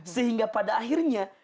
sehingga pada akhirnya